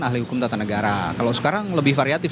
ahli hukum tata negara kalau sekarang lebih variatif